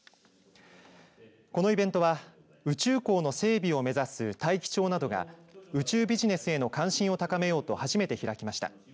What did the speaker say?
このイベントは宇宙港の整備を目指す大樹町などが宇宙ビジネスへの関心を高めようと初めて開きました。